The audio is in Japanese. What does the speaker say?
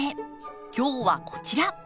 今日はこちら。